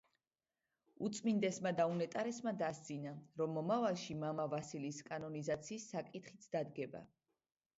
უწმინდესმა და უნეტარესმა დასძინა, რომ მომავალში მამა ვასილის კანონიზაციის საკითხიც დადგება.